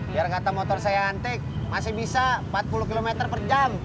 biar kata motor saya antik masih bisa empat puluh km per jam